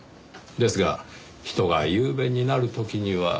ですが人が雄弁になる時には。